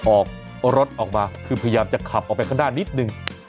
ออกรถออกมาคือพยายามจะขับออกไปข้างหน้านิดนึง